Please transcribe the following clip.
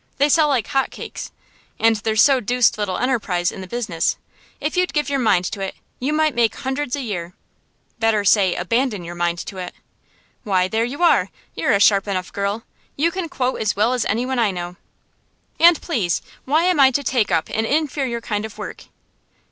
They sell like hot cakes. And there's so deuced little enterprise in the business. If you'd give your mind to it, you might make hundreds a year.' 'Better say "abandon your mind to it."' 'Why, there you are! You're a sharp enough girl. You can quote as well as anyone I know.' 'And please, why am I to take up an inferior kind of work?